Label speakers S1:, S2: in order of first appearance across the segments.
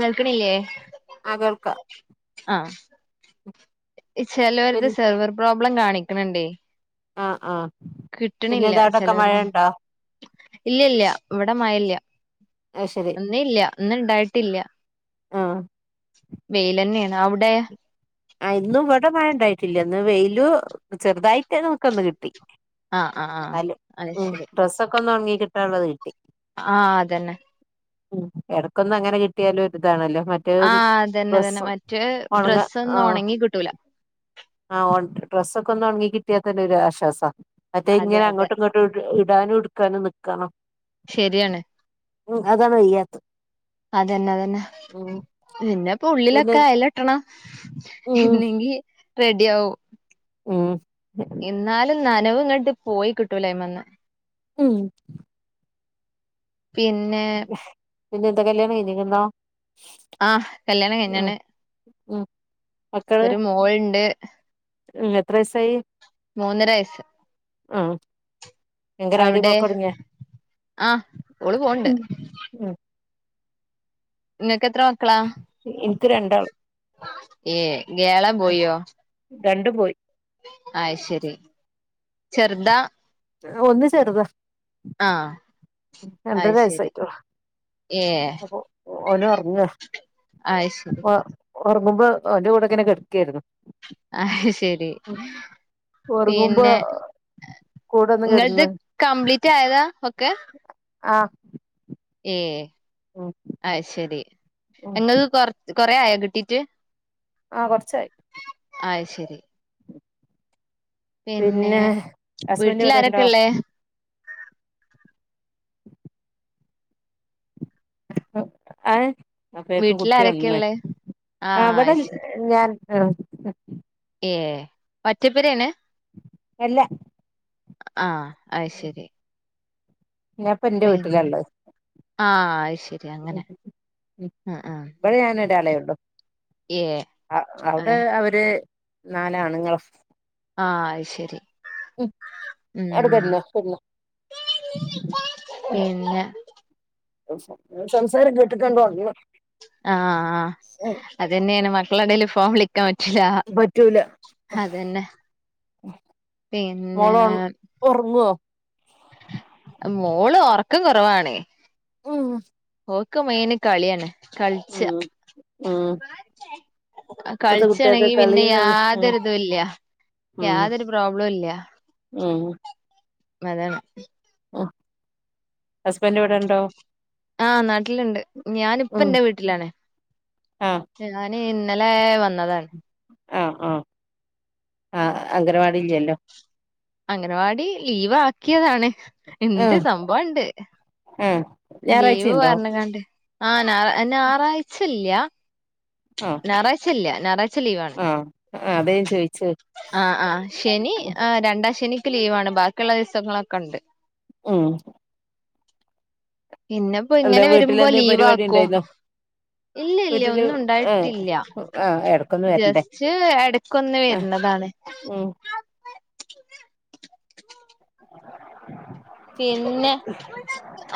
S1: കേൾക്കണില്ലേ
S2: ആ കേൾക്ക
S1: ആഹ്
S2: പിൻ
S1: ചെലവർക്ക്‌ സെർവർ പ്രോബ്ലം കാണിക്കണുണ്ടേ
S2: ആഹ് ആഹ്
S1: കിട്ടണില്ല ചിലോരതൊന്നും ഇല്ല ഇല്ല ഇവിടെ മഴല്ല
S2: അത് ശരി
S1: ഇന്ന് ഇല്ല ഇന്ന് ഇണ്ടായിട്ടില്ല
S2: ഓ
S1: വെയിലന്നെയാണ് അവ്ടെ
S2: അ ഇന്നും ഇവിടെ മയ ഉണ്ടായിട്ടില്ല ഇന്ന് വെയിലു ചെറുതായി [unintelligible] നമുക്ക ഒന്ന് കിട്ടി
S1: ആഹ് ആഹ് ആഹ്
S2: [unintelligible]
S1: അത്
S2: ഉ
S1: ശരി
S2: ഡ്രസ്സൊക്കെ ഒന്ന് ഉണങ്ങി കിട്ടാനുള്ളത് കിട്ടി
S1: ആഹ് അതന്നെ
S2: ഉം ഇടക്കൊന്ന അങ്ങനെ കിട്ടിയാലും ഒരിതാണല്ലോ മറ്റ
S1: ആഹ അതന്നെ തന്നെ മറ്റെ
S2: ഉണങ്ങ
S1: ഡ്രസ്സ്
S2: ആ
S1: ഒന്നും ഉണെങ്ങി കിട്ടൂല
S2: ആ ഡ്രസ്സൊക്കെ ഒന്ന് ഒണങ്ങി കിട്ടിയാത്തന്നെ ഒരു ആശ്വാസാ മറ്റേ
S1: അതെ
S2: ഇങ്ങനെ
S1: അതെ
S2: അങ്ങോട്ടും ഇങ്ങോ ഇടാനും ഇടുക്കാനും നിക്കണം
S1: ശരിയാണ്
S2: ഉ അതാണ് വയ്യാത്തെ ഉം
S1: എന്നന്നെപ്പൊ
S2: പിന്നെ
S1: ഉള്ളിലൊക്കെ അയല ഇട്ടണം
S2: ഉം
S1: ഇല്ലേങ്കി റെഡി ആവും
S2: ഉം
S1: എന്നാലും നനവ് ഇങ്ങട്ട് പോയി കിട്ടൂലൈമേന്ന്
S2: ഉയ്
S1: പിന
S2: പിന്നെ എന്ത കല്യാണം കഞ്ഞിക്കുന്നോ
S1: ആഹ് കല്യാണം കഴിഞ്ഞാണ്
S2: ഉം മക്കള്
S1: ഒരു മോൾ ഉണ്ട്
S2: ഉം എത്ര വയസായി
S1: മൂന്നര വയസ്
S2: ആ അങ്ങന വാടി
S1: അവിടെ
S2: പോക്കടങ്യോ
S1: ആ ഓള് പോണ്ട് ഇങ്ങക്ക് എത്ര മക്കളാ
S2: എൻക്ക് രണ്ടാൾ
S1: ഏ ഗേള ബോയ്യോ
S2: രണ്ടു പോയി
S1: അയ്ശെരി ചെർതാ
S2: ഒന്ന് ചെറുത്
S1: ആഹ
S2: രണ്ടര വയസ്സായിട്ടുള്ളു
S1: ഏ
S2: അപ്പൊ ഓനറങ്ങ
S1: അയ് ശരി
S2: പ ഓർങ്ങുമ്പൊ ഓന്റെ കൂടെങ്ങനെ കെട്‌ക്കേയിരുന്നു.
S1: അഹ് ശരി
S2: ഒറങ്ങുമ്പോ
S1: പിന്നെ
S2: കൂടെ ഒന്ന്
S1: ങ്ങൾത്
S2: കെടന്ന്
S1: കംബ്ലീറ്റ്ആയതാ ഒക്കെ?
S2: ആഹ്
S1: ഏ.
S2: ഉം
S1: അയ്ശരി.
S2: ഉം
S1: എങ്ങക്ക് കൊർ കൊറേ ആയോ കിട്ടീട്ട്?
S2: ആഹ്. കൊർച്ചായി.
S1: അയ് ശരി. പിന്നെ
S2: ഹസ്ബൻഡ്
S1: വീട്ടിൽ
S2: ഇവിടെണ്ടോ
S1: ആരൊക്കെള്ളേ
S2: [inaudible] അഹ്. അപ്പഴേക്കും
S1: വീട്ടിൽ
S2: കുട്ടി
S1: ആരൊക്കെ
S2: ഒൺന്ന്.
S1: ഉള്ളേ
S2: ആ വടെ ഞാൻ ഉം
S1: ഏഹ് ഒറ്റപ്പേര് തന്നെ
S2: എല്ല
S1: ആഹ് അയ് ശരി
S2: ഞാപ്പം എന്റെ
S1: പിന്നെ
S2: വീട്ടിലാള്ളത്
S1: ആഹ് അയ് ശരി അങ്ങനെ ആഹ് ആഹ്
S2: ഇവിടെ ഞാനൊരാളേ ഉള്ളു
S1: ഏ അതെ
S2: അവിടെ അവര് നാലാണ്ങ്ങൾ
S1: ആഹ്. അയ് ശരി. ഉം
S2: അവിടെ കെടന്നോ കെടന്നോ
S1: പിന്നെ?
S2: സംസാരം കേ
S1: ആഹ്
S2: ഉം
S1: അതന്നെയാണ് മക്കളൊണ്ടേല് ഫോം വിളി ക്കാ [unintelligible] റ്റ്ലാ
S2: പറ്റൂല
S1: അതന്നെ. പിന്നേ?
S2: ഒർങ്ങോ?
S1: മോള് ഒറക്കം കൊറവാണ്
S2: ഉം.
S1: ഓക്ക് മെയിന് കളിയാണ് കളിച്ച
S2: ഉം ഉം ഇപ്പത്തെ കുട്ട്യാക്ക്
S1: കളിച്ചാണെങ്കി പിന്നെ
S2: കളീന്ന്ള്ള ഉം
S1: യാതൊരിതൂല്ലാ
S2: ഉം
S1: യാതൊരു പ്രോബ്ളം ഇല്ലാ
S2: ഉം
S1: അതേയതെ
S2: ഉം ഹസ്ബൻഡിവിടെണ്ടോ
S1: ആഹ് നാട്ടിലിണ്ട് ഞാനിപ്പം
S2: ഉം
S1: എന്റെ വീട്ടിലാണ്
S2: ആഹ്
S1: ഞാന് ഇന്നലെ വന്നതാണ്
S2: ആഹ് ആഹ് ആഹ് അംഗനവാടി ഇല്ലല്ലോ
S1: അംഗനവാടി ലീവാക്കിയതാണ്. ഇണ്ട്.
S2: ആഹ്
S1: സംഭവം ണ്ട്.
S2: ആഹ്
S1: ലീവ്
S2: ഞായറാഴ്ചയുണ്ടോ
S1: പറഞ്ഞകാണ്ട് ആഹ് ഞാ ഞായറാഴ്ചല്ല്യ
S2: ആഹ്
S1: ഞാറാഴ്ച ഇല്ല്യ. ഞാറാഴ്
S2: ആഹ് അതേ ചോയിച്ച
S1: ആഹ് ആഹ് ശനി ആ രണ്ടാം ശനിക്ക് ലീവാണ് ബാക്കിയുള്ള ദിവസങ്ങളൊക്കെ ഉണ്ട്
S2: ഉം
S1: പിന്നെ പ്പൊ
S2: എന്താ
S1: ഇങ്ങനെ വരുമ്പൊ
S2: വീട്ടിലെന്തേം പരിപാടി
S1: ലീവാക്കും.
S2: ഇണ്ടായിരുന്നോ
S1: ഇല്ല ഇല്ല്യ.
S2: വീട്ടില്
S1: ഒന്നുംണ്ടായി
S2: ഏഹ്
S1: ട്ടില്ല
S2: ആഹ് എടക്കൊന്ന് വരണ്ടേ
S1: ജസ്റ്റ് എടക്കൊന്ന്
S2: ആ
S1: വരുന്നതാണ്
S2: ഉം [inaudible]
S1: പിന്നെ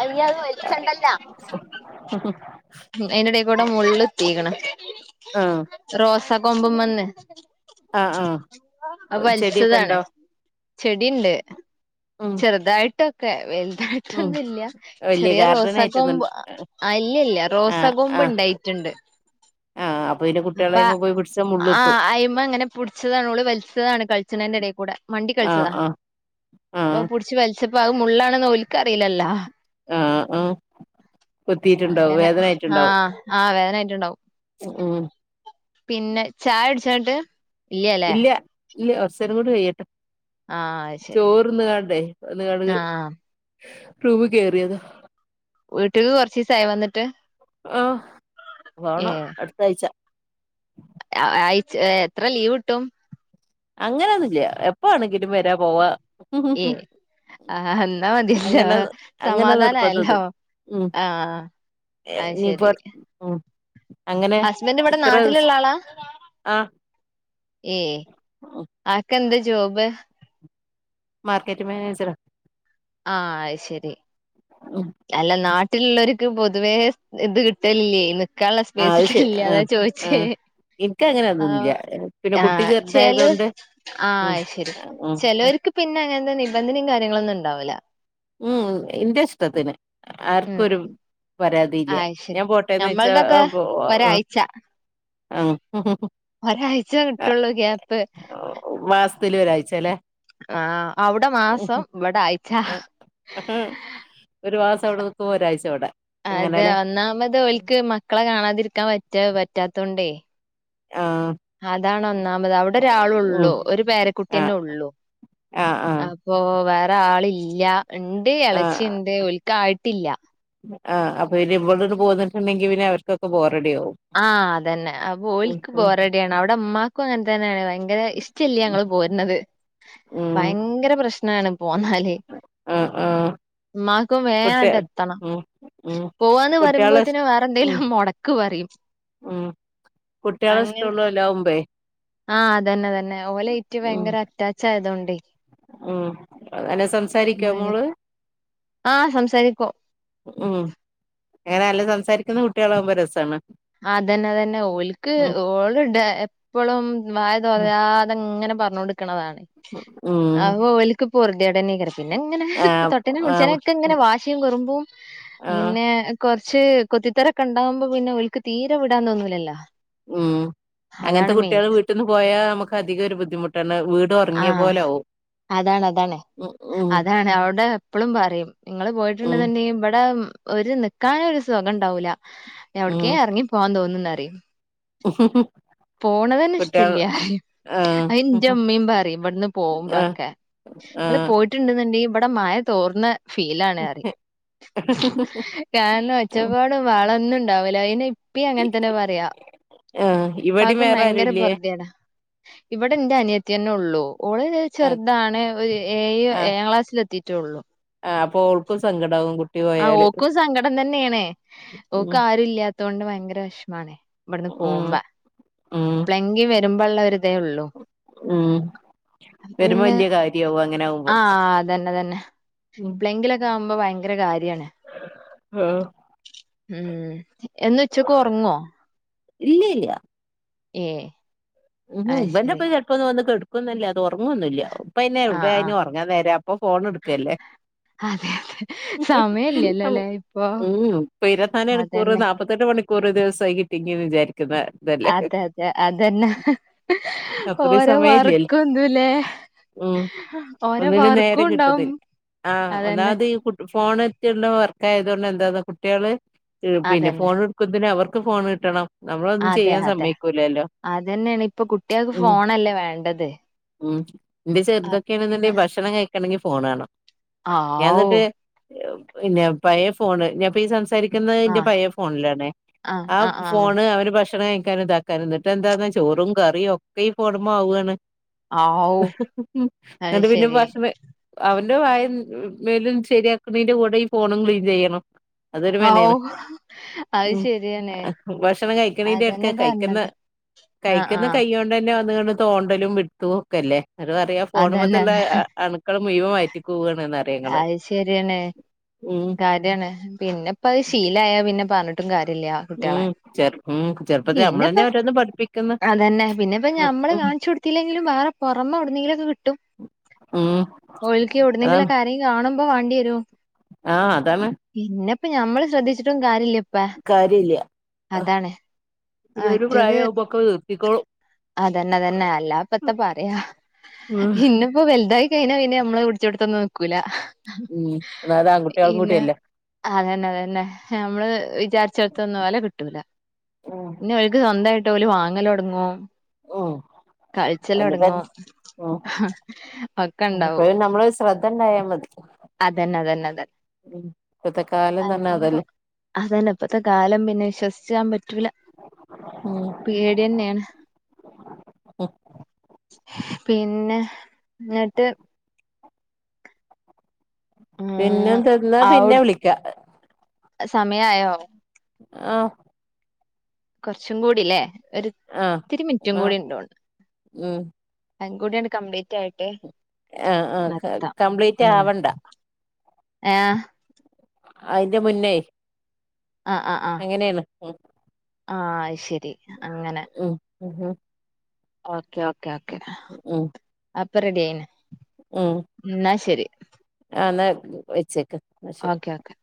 S1: അയ്യ അത് വച്ചാണ്ടല്ല
S2: ഉം ഉം
S1: അയിനിടേക്കൂടെ മുള്ള് കുത്തീക്കണ്
S2: ആഹ്
S1: റോസ കൊമ്പ്മന്ന്
S2: ആഹ് ആഹ്
S1: അത്
S2: ചെടിയൊക്കെ
S1: വലിച്ചതാണ്.
S2: ഉണ്ടോ
S1: ചെടി ഇണ്ട്
S2: ഉം
S1: ചെറുതായി ട്ടൊക്കെ
S2: ഉം
S1: വൽതായിട്ടൊന്നുല്ല
S2: വലിയ
S1: ചെറിയ
S2: ഗാർഡൻ
S1: റോസാ
S2: ആയിട്ടൊന്നും
S1: കൊമ്പ് അ ഇല്ല ഇല്ല. റോസാ
S2: ആഹ്
S1: കൊമ്പ്
S2: ആഹ്
S1: ഉണ്ടായിട്ടുണ്ട്.
S2: ആഹ് അപ്പൊ പിന്നെ
S1: അപ്പ
S2: കുട്ടികളായ്മ പോയി പിടിച്ചാ
S1: ആ
S2: മുള്ളുത്തും
S1: അയ്മ അങ്ങനെ പുട്ച്ചതാണ് ഓള് വലിച്ചതാണ് കളിച്ചണേന്റെ ഇടേൽ കൂടെ മണ്ടി
S2: ആഹ്
S1: കളിച്ചതാ.
S2: ആഹ്
S1: അപ്പൊ
S2: ആഹ്
S1: പുട്ച്ച് വലിച്ചപ്പോ അത് മുള്ളാന്ന് ഓൽക്ക അറിയില്ലല്ലോ.
S2: ആഹ് ആഹ് കൊത്തിയിട്ടുണ്ടാവും
S1: അങ്ങനെ ആഹ് ആ വേനായിട്ടുണ്ടാവും.
S2: ഉം ഉം.
S1: പിന്നെ ചായകുടിച്ചൊ ഇന്ന്ട്ട്.
S2: ഇല്ല്യ ഇല്ല്യ കൊർച്ചേരം കൂടി കെയ്യട്ടെ.
S1: ആഹ് അത് ശരി
S2: ചോറ്ന്ന്ങ്ങാണ്ടേ വന്ന് ങ്ങാണ്ട്.
S1: ആഹ്
S2: പ്രൂവ് കേറിയതാ.
S1: വീട്ടിക്ക് കൊറച്ചീസായോ വന്നിട്ട്
S2: ആ വാണം അടുത്ത ആഴ്ച.
S1: ആയ്ച്ച ഏ എത്ര ലീവ്ട്ടും.
S2: അങ്ങനൊന്നില്ല എപ്പാണെങ്കിലും വരാ പോവാ
S1: ആ അന്നാ മതിയല്ലോ
S2: അങ്ങനെ അങ്ങനെ
S1: സമാധാനയല്ലോ ആഹ്
S2: എ
S1: അത്
S2: നീപ്പ
S1: ശെരി
S2: ഉം. അങ്ങനെ
S1: ഹസ്ബൻഡ് ഇവിടെ
S2: ഇത്ര
S1: നാട്ടിലുള്ള ആളാ
S2: ആ
S1: ഏ. ആൾക്കെന്താ ജോബ്.
S2: മർക്കറ്റിംഗ് മാനേജറാ
S1: ആഹ് അയ്ശരി
S2: ഉം
S1: അല്ല നാട്ടിലുള്ളവർക്ക് പൊതുവേ ഇത് കിട്ടലില്ലേ ഇന്ന് ക്കള
S2: ആ അത് ശരി
S1: സ്പേസിട്ടില്ല
S2: ആ
S1: അതാ
S2: ആ
S1: ചോയ്ച്ചേ.
S2: എനിക്ക് അങ്ങനെ
S1: ആ
S2: അതൊന്നുമില്ല പിന്നെ
S1: ആ
S2: കുട്ടി
S1: ചെല
S2: ചെറുതായത് കൊണ്ട്
S1: ആ
S2: ഉം
S1: ശരി
S2: ഉം
S1: ചെലോര്ക്ക് പിന്നെ അങ്ങനത്തെ നിബന്ധനയും കാര്യങ്ങളും ഒന്നും ഉണ്ടാവൂല്ല.
S2: ഉം ഇന്റെ ഇഷ്ടത്തിന് ആർക്കും
S1: ഉം
S2: ഒരു പരാതിയില്ല
S1: ആ അത് ശരി
S2: ഞാൻ പോട്ടെന്ന് ഓയ്ച്ചാ
S1: ഞമ്മൾതൊക്കെ
S2: ആ പോ ആ
S1: ഒരാഴ്ച
S2: ആഹ.
S1: ഒരാഴ്ച കിട്ടുള്ളൂ ക്യാപ്പ്.
S2: മാസത്തില് ഒരാഴ്ച ലേ
S1: ആഹ് അവ്ടെ മാസം ഇവിടെ ആയിച്ച.
S2: ഒരു മാസം അവിടെ നിക്കുമ്പൊ ഒരാഴ്ച്ച ഇവടെ.
S1: അതെ ഒന്നാമത് ഒൽക്ക് മക്കളെ കാണാതിരിക്കാൻ പറ്റാ പറ്റാത്തോണ്ടേ.
S2: ആഹ്
S1: അതാണ് ഒന്നാമത് അവിടെ ഒരാള് ഒള്ളൂ ഒരു പേരെ കു
S2: ആ
S1: ട്ടിന്നെ ഉള്ളൂ
S2: ആ ആ
S1: അപ്പൊ വേറെ ആളില്ല ഇണ്ട്
S2: ആ
S1: ഇളച്ചിണ്ട് അതെ ഓൽക്കായിട്ടില്ല.
S2: ആഹ് അപ്പൊ പിന്നെ ഇവള് പോന്നിട്ടുണ്ടെങ്കി പിന്നെ അവർക്കൊക്കെ ബോറടി ആകും
S1: ആഹ് അതന്നെ അപ്പ ഓല്ക്ക് ബോറടിയാണ് അവിടെ ഇമ്മാക്കും അങ്ങനെ തന്നെയാണ് ഭയങ്കര ഇഷ് ടല്ല്യ
S2: ഉം
S1: ഞങ്ങള് പോരുന്നത്
S2: ഉം
S1: ഭയങ്കര പ്രശ്നാണ് പോന്നാല്.
S2: ആഹ് ആഹ്
S1: മ്മാക്കും
S2: കുട്ടി
S1: വേആണ്ട് എത്തണം.
S2: ഉം ഉം
S1: പോവാന്ന്
S2: കുട്ടികളെ ഇഷ്
S1: പറയുമ്പോത്തിന് വേറെ
S2: ഉം
S1: എന്തെങ്കിലും മൊടക്ക് പറിം.
S2: ഉം കുട്ടികളെ
S1: അങ്ങെ
S2: ഇഷ്ടമുള്ളോലാവുമ്പേ
S1: ആ അതന്നെ തന്നെ ഓലെയ്റ്റ്
S2: ഉം
S1: ഭയങ്കര അറ്റാച്ച് ആയതൊണ്ടെയ്.
S2: ഉം നല്ലോ സംസാരിക്കോ മോള്
S1: ആഹ് സംസാരിക്കും
S2: ഉം അങ്ങനെ നല്ല സംസാരിക്കുന്ന കുട്ട്യേളാകുമ്പോ രസ ആണ്
S1: അതന്നെതന്നെ ഓൽക്ക് ഓള് ഡ എപ്പളും വായതോരാതെങ്ങനെ പറഞ്ഞോണ്ട്ക്ക്ണതാണ്
S2: ഉം
S1: അപ്പൊ ഓൽക്ക് പൊർദേടെന്നെയ്കാരം. പിന്നങ്ങനെ
S2: ആഹ്
S1: തൊട്ടീനും
S2: ആഹ്
S1: പിട്ചീനൊക്കെ ങ്ങനെ വാശിം കുർമ്പും
S2: ആഹ്
S1: പിന്നെ കൊർച്ച് കൊത്തിത്തറക്കെണ്ടാവുമ്പൊ പിന്നെ ഓൽക്ക് തീരെ വിടാംതോന്നൂലല്ലോ.
S2: ഉം അങ്ങൻത്തെ കുട്ട്യൊള് വീട്ട്ന്ന് പോയാ നമുക്ക് അധികം ഒരു ബുദ്ധിമുട്ടാണ് വീട് ഒർങ്ങ്യപോലാവും
S1: അതാണതാണ് അതാണ് അവടെ എപ്പോളും പറിം നിങ്ങൾ
S2: ഉം
S1: പോയിട്ടുണ്ട്ന്ണ്ടെങ്കി ഇവടെ ഒരു നിക്കാന് ഒരു സുഖംണ്ടാവൂല എവിട്ക്കേം എർങ്ങി പോവാൻതോന്നുംന്നറിം
S2: ഉം ഉം ഉം
S1: പോണതന്നെഷ്ട്ടല്ല്യ
S2: ആഹ്
S1: അത് ന്റെമ്മിംപറിം ഇവിട്ന്ന്
S2: ആഹ്
S1: പോവുമ്പളൊക്കെ
S2: ആഹ്
S1: ട്ട്ണ്ന് ണ്ട്ങ്കി ഇവിടെ മഴ തോർന്ന ഫീലാണ്അറിം കാരണം ഒച്ചപ്പാടും ഭഹളൊന്നുംണ്ടാവൂല. അയ്‌ന് ഇപ്പിം അങ്ങൻതന്നെപറയാ.
S2: ആഹ് ഇവിടിം വേറാരുല്ലേ?
S1: ഇവടെന്റെ അനിയത്തെന്നൊള്ളൂ. ഓളര്
S2: ആഹ്
S1: ചെറ്താണ് ഒരു ഏഴ്
S2: ആഹ്
S1: ഏഴാംക്ലാസ്സിലെത്തിട്ടൊള്ളൂ
S2: ആഹ് അപ്പൊ ഓൾക്കും സങ്കടാവും കുട്ടി
S1: ആഹ്
S2: പോയാല്
S1: ഓക്കും സങ്കടം തന്നേണ്
S2: ഉം
S1: ഓക്ക്ആരുംല്ലാ തോണ്ട് ഭയങ്കര വെഷ്മാണ് ഇപട്ന്ന് പോഉമ്പ.
S2: ഉം ഉം
S1: ങ്കി വരുമ്പൊള്ള ഒരുതേ ഒള്ളൂ.
S2: ഉം വരുമ്പോ
S1: അപ്പപിന്നെ
S2: വല്യ കാര്യാവും അങ്ങനെ ആവുമ്പോ
S1: ആഹ് അതന്നെതന്നെ
S2: ഉം
S1: ഏപ്പളേങ്കിലൊ താവുമ്പൊ ഭയങ്കരകാര്യാണ്
S2: ആഹ്
S1: ഉം എന്നുംച്ചക്ക് ഒർങ്ങോ
S2: ഇല്ല്യല്ല
S1: ഏഹ്
S2: ഉം ഇവന്റൊപ്പം ചെൽപ്പൊന്ന് വന്ന്കെട്ക്കൊന്നുല്ല തൊർങ്ങൊന്നുല്ല പ്പൊ അയ്ന്
S1: ആ
S2: എവ്ടെ
S1: ആ
S2: അയ്നൊർങ്ങാനേരം അപ്പൊ ഫോണെട്ക്കല്ലേ.
S1: അതെ. സമയല്ലല്ലോല്ലേ ഇപ്പൊ.
S2: ഉംഇപ്പ ഇരത്ത്നാല് മണിക്കൂർ
S1: അതന്നെ.
S2: നാ മുപ്പത്തെട്ട് മണിക്കൂർ ഒരു ദിവസായി കിട്ടീക് വിചാരിക്കുന്ന ഇതല്ലേ
S1: അതെതെ അതന്നെ
S2: അത്രയും
S1: ഓരോ
S2: സമയല്ലല്ലോ
S1: വർക്കുംതുംലേ
S2: ഉം
S1: ഓരോ
S2: ഒന്നിനും നേരം
S1: വർക്കുംണ്ടാവും.
S2: കിട്ടുന്നില്ല ആഹ് ഒന്നാമത് ഈ കുട് ഫോണ് [unintelligible] വർക്ക് ആയതോണ്ട് എന്താന്നാ കുട്ടിയള് പിന്നെ
S1: അതന്നെ.
S2: ഫോൺ എടുക്കുന്നതിന് അവർക്കും ഫോണ് കിട്ടണം. നമ്മളൊന്നും ചെയ്യാൻ സമ്മയ്ക്കൂലല്ലോ.
S1: അതെന്നേണ് ഇപ്പൊ കുട്ട്യാൾക്ക് ഫോണല്ലേ വേണ്ടത്
S2: മ് ഇ ന്റെ
S1: അപ്പ
S2: ചെറുതൊക്കെയാണ്ന്ന്ണ്ടെങ്കി ഭക്ഷണം കഴിക്കണെങ്കി ഫോണ് കാണണം.
S1: ആവു
S2: പിന്നെ പയേ ഫോണ് ഞാപ്പ ഈ സംസാരി ക്ന്നത്
S1: ആഹ്
S2: പയേ ഫോണിലാണ് ആഹ് ഫോണ് അവര് ഭക്ഷണം കഴിക്കാനുംതാക്കാനും ന്ന്ട്ട് എന്താന്ന് വ ചോറും കറിം ഒക്കെ ഈ ഫോണ് മ്മെ ആവാണ്
S1: ആവൂ
S2: [unintelligible]
S1: അത്
S2: പിന്നെ
S1: ശരി.
S2: ഭക്ഷണ അവന്റെ വായും മേലും ശരിയാക്ക്ണീന്റെ കൂടെ ഈ ഫോണും ക്ലീൻ ചെയ്യണം. അതൊരു
S1: ഹാവൂ
S2: മെനയാണ് ഉം ഭക്ഷണം കഴിക്കണീന്റെടുത്തെ
S1: അതന്നെ
S2: കഴിക്ക്ന്ന
S1: പറഞ്ഞത്. ആഹ്
S2: കഴിക്ക്ന്ന
S1: ആഹ്
S2: കൈയ്യോണ്ടന്നെ വന്ന്കാണ്ട് തോണ്ടലും പിട്തും ഒക്കെല്ലേ അതുറിയാം ഫോണ്
S1: അതന്നെ.
S2: മത്തുള്ള അണുക്കൾ മുഴുവും വഴറ്റ്ക് പോകാണ്ന്നർ
S1: അയ്ശെരിയാണ്, ക ടിആണ് പിന്നെ പ്പ അത് ശീലായ പിന്നെ പറഞ്ഞിട്ടും കാര്യല്ല
S2: ഉം
S1: കുട്ട്യാളെ
S2: ചെറു ഉം ചെറുപ്പത്തിൽ
S1: പിന്നപ്പ
S2: നമ്മളന്നെ ഓരോന്ന് പഠിപ്പിക്കുന്ന്
S1: അതന്നെ പിന്നെപ്പ
S2: ഉം
S1: നമ്മള്
S2: ഉം
S1: കാൺച്ചൊട് ത്തില്ലെങ്കിലും വേറെ പുറമെ എവിടുന്നെങ്കിലുക്കെ കിട്ടും
S2: ഉം അതാണ്
S1: ഓൽക്കെവിടുന്നെങ്കിലക്കെ ആരെങ്കിലും കാണുമ്പോ വേണ്ടി വരും
S2: ആ അതാണ്
S1: പിന്നെപ്പൊ ഞമ്മള് ശ്രദ്ധിച്ചിട്ടും കാര്യല്ല
S2: കാര്യല്ല പിന്നൊരു
S1: മറ്റത്
S2: പ്രായവുമ്പൊക്കെ നിർത്തിക്കോളും
S1: അതന്നെ തന്നെ അല്ലപ്പെത്താ പറയാ
S2: ഉം
S1: ഇന്നും ഇപ്പൊ വലുതായി കഴിഞ്ഞാ പിന്നെ നമ്മള് പിടിച്ചോടത്തൊന്നും നിക്കൂല.
S2: ഉം അതായത് ആൺകുട്ട്യാളും കൂടിയല്ലേ
S1: അതെന്നെ അതന്നെ നമ്മള് വിചാരിച്ചെടത്തൊന്നും ഓലെ കിട്ടൂല
S2: ഉം
S1: ന്നെ ഓൽക്ക് സ്വന്തയിട്ട് ഓല് വാങ്ങല് ടങ്ങും
S2: ഉം
S1: കൾച്ചല്
S2: അതിനിപ്പ
S1: തൊടങ്ങും ഒക്ക
S2: ഉം
S1: ണ്ടാവും
S2: അപ്പഴും നമ്മള് ശ്രദ്ധ ഉണ്ടായാ മതി
S1: അതെന്ന അതെന്ന ന്നതെ.
S2: [unintelligible] തന്നെ
S1: അല്ലാപ്പൊ
S2: അതല്ലേ
S1: അതല്ല ഇപ്പത്തെ കാലം പിന്നെ വിശ്വസിച്ചാൻ പറ്റൂല.
S2: ഉം
S1: പേടിന്നെയാണ് പിന്നെ ന്നിട്ട് ഉം
S2: പിന്നെന്താ ന്നാ
S1: ഔ
S2: പിന്നെ വിളിക്കാ.
S1: സമയായോ?
S2: ആഹ്
S1: കൊർച്ചും കൂടില്ലേ
S2: ആഹ്
S1: ഒരിത്തിരി മിൻറ്റും
S2: ആഹ്
S1: കൂടി ഇണ്ടോണ്.
S2: ഉം
S1: അതും കൂടി അണ്ട് കംപ്ലീറ്റ് ആയിട്ട്
S2: ആ ആ ക
S1: നിർത്താം
S2: കംപ്ലീറ്റ് ആവണ്ട
S1: ഏ ആ
S2: അതിന്റെ മുന്നേ
S1: ആഹ് ആഹ് ആഹ്
S2: ങ്ങനേണ് ഉം
S1: ആ അത് ശരി അങ്ങനെ
S2: ഉം ഹ് ഹ്
S1: ഓക്കേ ഓക്കേ ഓക്കേ
S2: ഉം
S1: അപ്പൊ റെഡി ആയിന്
S2: ഉം
S1: ന്നാ ശരി
S2: ആ ന്നാ വെച്ചേക്ക് എന്നാ ശരി
S1: ഓക്കെ ഓക്കെ